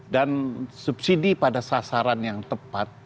dan subsidi pada sasaran yang tepat